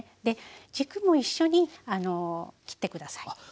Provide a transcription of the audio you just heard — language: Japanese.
で軸も一緒に切って下さい。